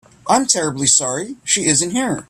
I'm terribly sorry she isn't here.